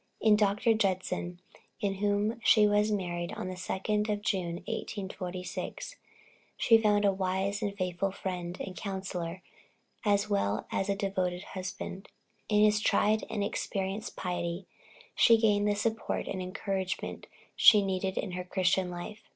In Dr. Judson, to whom she was married on the 2d of June, 1846, she found a wise and faithful friend and counsellor, as well as a devoted husband. In his tried and experienced piety, she gained the support and encouragement she needed in her Christian life.